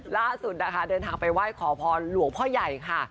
ล่าสุดนะคะเดินทางไปไหว้ขอพรหลวงพ่อใหญ่ค่ะ